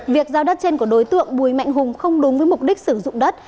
việc giao đất trên của đối tượng bùi mạnh hùng không đúng với mục đích sử dụng đất